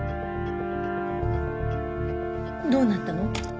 どうなったの？